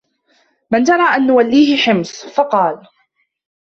مَنْ تَرَى أَنْ نُوَلِّيَهُ حِمْصَ ؟ فَقَالَ